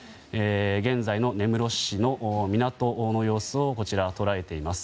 現在の根室市の港の様子を捉えています。